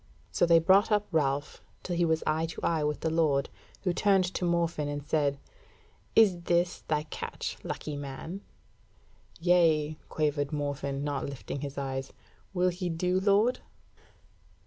So they brought up Ralph, till he was eye to eye with the Lord, who turned to Morfinn and said: "Is this thy catch, lucky man?" "Yea," quavered Morfinn, not lifting his eyes; "Will he do, lord?"